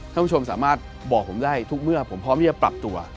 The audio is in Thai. ท่านผู้ชมสามารถบอกผมได้ทุกเมื่อผมพร้อมที่จะปรับตัว